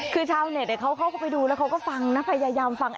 คือชาวเนทเขาก็เข้าไปดูเราก็ฟังนะพยายามฟัง